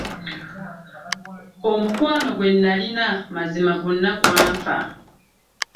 Omukwano gwe nalina mazima gwonna gwanfa.